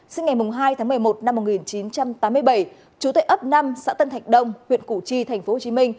sinh ngày hai tháng một mươi một năm một nghìn chín trăm tám mươi bảy chú tệ ấp năm xã tân thạch đông huyện củ chi tp hcm